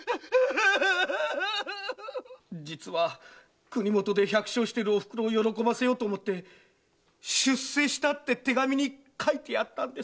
実は国許で百姓してるおふくろを喜ばせようと思って「出世した」って手紙に書いてやったんです。